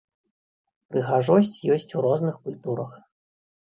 Прыгажосць ёсць у розных культурах.